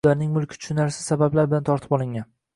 Ularning mulki tushunarsiz sabablar bilan tortib olingan.